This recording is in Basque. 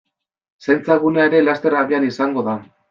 Zaintza gunea ere laster abian izango da.